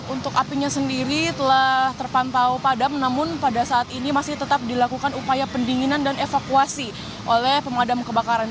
untuk apinya sendiri telah terpantau padam namun pada saat ini masih tetap dilakukan upaya pendinginan dan evakuasi oleh pemadam kebakaran